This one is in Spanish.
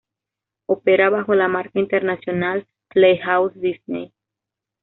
Opera bajo la marca internacional Playhouse Disney.